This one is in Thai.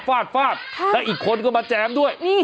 ครับค่ะแล้วอีกคนก็มาแจมด้วย